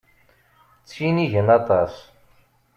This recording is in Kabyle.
Ttinigen aṭas.